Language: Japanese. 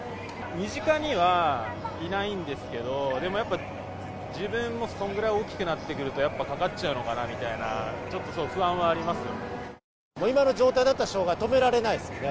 身近にはいないんですけど、でもやっぱ、自分もそんぐらい大きくなってくると、やっぱかかっちゃうのかなみたいな、ちょっと不安はありますよね。